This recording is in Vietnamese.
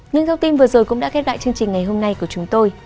những thông tin vừa rồi cũng đã kết đại chương trình ngày hôm nay của chúng tôi